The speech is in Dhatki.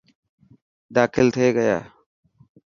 داخل ٿي گيا.